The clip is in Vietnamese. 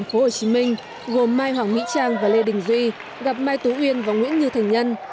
tp hcm gồm mai hoàng mỹ trang và lê đình duy gặp mai tú uyên và nguyễn như thành nhân